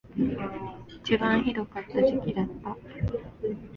一番ひどかった時期だった